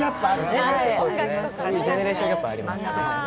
ジェネレーションギャップはありますね